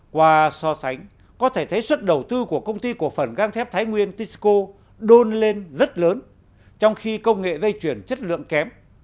qua so sánh có thể thấy suất đầu tư của công ty cổ phần găng thép thái nguyên tisco đôn lên rất lớn trong khi công nghệ dây chuyển chất lượng kém